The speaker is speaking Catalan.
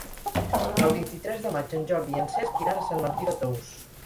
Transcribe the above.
El vint-i-tres de maig en Jordi i en Cesc iran a Sant Martí de Tous.